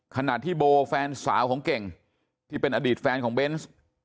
ขณะที่โบแฟนสาวของเก่งที่เป็นอดีตแฟนของเบนส์